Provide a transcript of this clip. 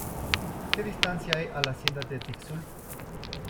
¿ qué distancia hay a la Hacienda de Tixul?